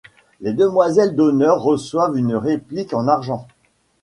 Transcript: Les demoiselles d'honneur reçoivent une réplique en argent.